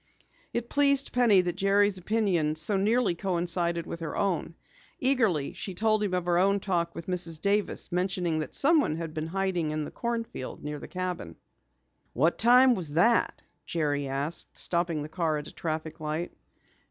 It pleased Penny that Jerry's opinion so nearly coincided with her own. Eagerly she told him of her own talk with Mrs. Davis, mentioning that someone had been hiding in the cornfield near the cabin. "What time was that?" Jerry asked, stopping the car at a traffic light.